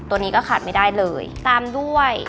ตัวนี้ก็ขาดไม่ได้เลยตามด้วย